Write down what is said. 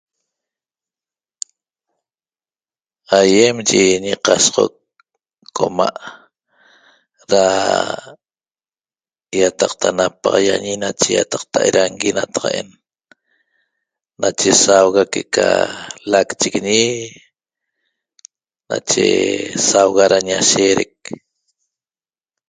Aÿem yi ñiqasoxoc coma' da yataqta da napaxaiañi nache ÿataqta erangui nataq'en nache sauga que'eca lacchiguin nache sauga da ñasheerec